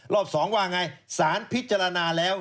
รอบ๒ว่าอย่างไรสารพิจารณาแล้ว